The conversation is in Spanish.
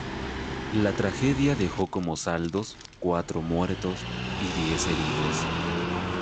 La tragedia dejó como saldos cuatro muertos y diez heridos.